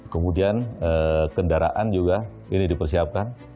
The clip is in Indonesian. kemudian kendaraan juga ini dipersiapkan